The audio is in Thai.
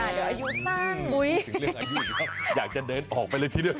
เดี๋ยวอายุมั่งถึงเรื่องอายุอยากจะเดินออกไปเลยทีเดียว